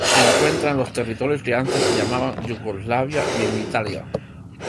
Se encuentra en los territorios que antes se llamaban Yugoslavia y en Italia.